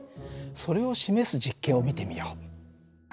それを示す実験を見てみよう。